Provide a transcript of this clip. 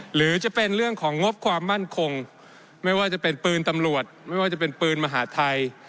หรือจะเป็นเรื่องของงบความมั่นคงไม่ว่าจะเป็นปืนตำรวจไม่ว่าจะเป็นปืนมหาทัย